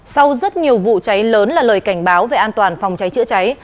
sau rất nhiều vụ cháy lớn là lời cảnh báo về an toàn phòng cháy chữa cháy